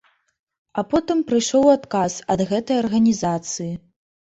А потым прыйшоў адказ ад гэтай арганізацыі.